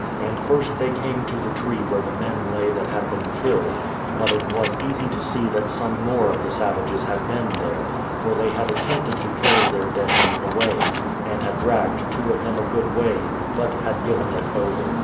And first they came to the tree where the men lay that had been killed; but it was easy to see that some more of the savages had been there, for they had attempted to carry their dead men away, and had dragged two of them a good way, but had given it over.